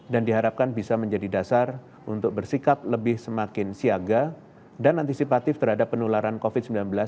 dan diharapkan bisa menjadi dasar untuk bersikap lebih semakin siaga dan antisipatif terhadap penularan covid sembilan belas